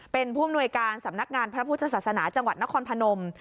เป็นผู้อำนวยการสำนักงานพระพุทธศาสนาจังหวัดนครพนม